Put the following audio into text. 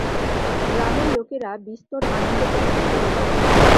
গ্রামের লোকেরা বিস্তর আনন্দ প্রকাশ করিল।